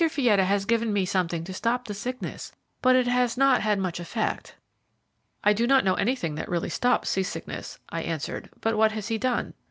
Fietta has given me something to stop the sickness, but it has not had much effect." "I do not know anything that really stops sea sickness," I answered; "but what has he done?"